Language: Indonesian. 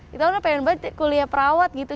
kita udah pengen banget kuliah perawat gitu